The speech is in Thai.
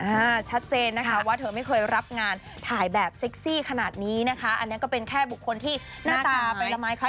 ชัดเจนนะคะว่าเธอไม่เคยรับงานถ่ายแบบเซ็กซี่ขนาดนี้นะคะอันนี้ก็เป็นแค่บุคคลที่หน้าตาไปละไม้คล้าย